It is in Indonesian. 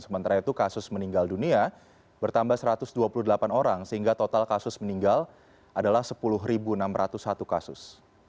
sementara itu kasus meninggal dunia bertambah satu ratus dua puluh delapan orang sehingga total kasus meninggal adalah sepuluh enam ratus satu kasus